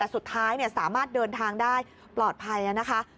สุดท้ายเนี่ยสามารถเดินทางได้ปลอดภัยนะคะ